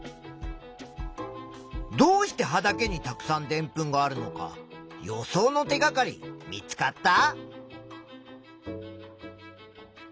どうして葉だけにたくさんでんぷんがあるのか予想の手がかり見つかった？